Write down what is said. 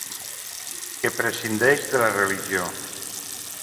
Que prescindeix de la religió.